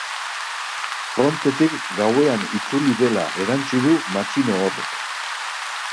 Frontetik gauean itzuli dela erantsi du matxino horrek.